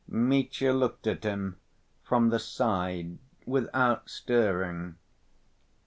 Mitya looked at him from the side without stirring.